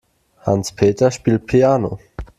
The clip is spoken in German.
Hans-Peter spielt Piano.